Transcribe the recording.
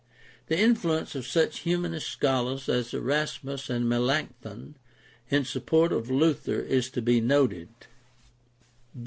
The influence of such Humanist scholars as Erasmus and Melanchthon in sup port of Luther is to be noted.